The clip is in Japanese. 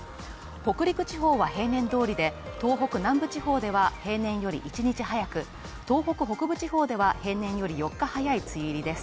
北陸地方は平年どおりで、東北南部地方では平年より一日早く、東北北部地方では、平年より４日早い梅雨入りです。